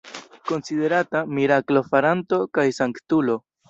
Konsiderata miraklo-faranto kaj sanktulo.